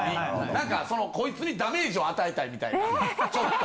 何かこいつにダメージを与えたいみたいなちょっと。